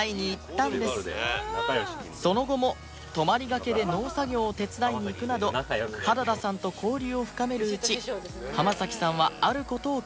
その後も泊まりがけで農作業を手伝いに行くなど原田さんと交流を深めるうち濱さんはある事を決意します